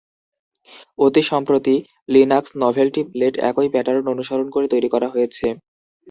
অতি সম্প্রতি, Linux novelty plate একই প্যাটার্ন অনুসরণ করে তৈরি করা হয়েছে।